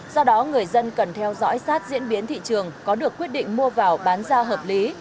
do đó người dân cần theo dõi sát diễn biến thị trường có được quyết định mua vào bán ra hợp lý